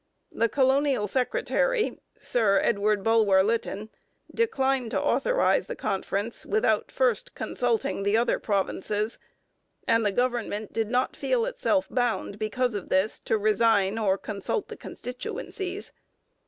The colonial secretary, Sir Edward Bulwer Lytton, declined to authorize the conference without first consulting the other provinces, and the government did not feel itself bound because of this to resign or consult the constituencies.